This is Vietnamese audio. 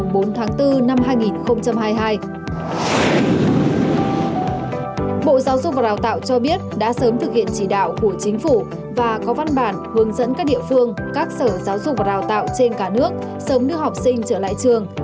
bộ giáo dục và đào tạo cho biết đã sớm thực hiện chỉ đạo của chính phủ và có văn bản hướng dẫn các địa phương các sở giáo dục và đào tạo trên cả nước sớm đưa học sinh trở lại trường